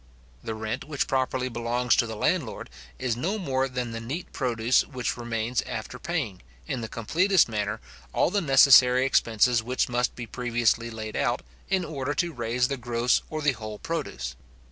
The rent which properly belongs to the landlord, is no more than the neat produce which remains after paying, in the completest manner, all the necessary expenses which must be previously laid out, in order to raise the gross or the whole produce.